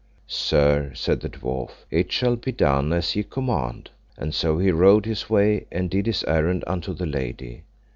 Sir, said the dwarf, it shall be done as ye command: and so he rode his way, and did his errand unto the lady.